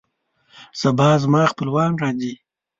سبا زما خپلوان راځي